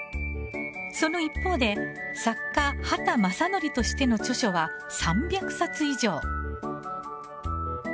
その一方で作家・畑正憲としての著書は３００冊以上。